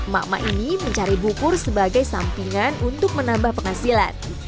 mama ini mencari bukur sebagai sampingan untuk menambah penghasilan